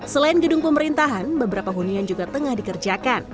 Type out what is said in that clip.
selain gedung pemerintahan beberapa huning yang juga tengah dikerjakan